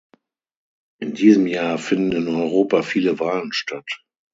In diesem Jahr finden in Europa viele Wahlen statt.